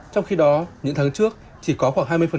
trong khi đó những tháng trước chỉ có khoảng hai mươi